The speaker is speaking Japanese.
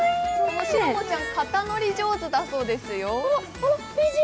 しろもちゃん、肩乗り上手だそうですよ。